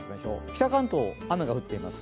北関東、雨が降ってます。